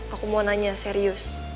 aku mau nanya serius